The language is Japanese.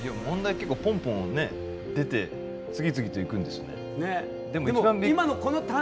結構ポンポンね出て次々といくんですね。